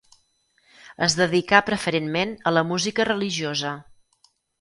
Es dedicà preferentment a la música religiosa.